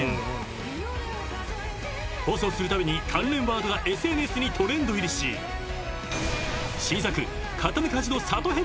［放送するたびに関連ワードがＳＮＳにトレンド入りし新作］